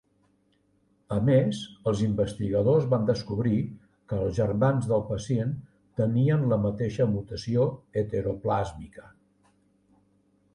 A més, els investigadors van descobrir que els germans del pacient tenien la mateixa mutació heteroplàsmica.